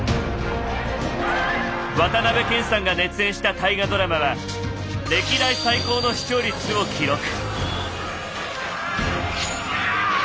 渡辺謙さんが熱演した大河ドラマは歴代最高の視聴率を記録。